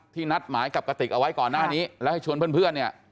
นัดหมายกับกติกเอาไว้ก่อนหน้านี้แล้วให้ชวนเพื่อนเนี่ย